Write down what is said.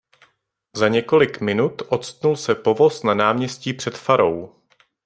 Za několik minut octnul se povoz na náměstí před farou.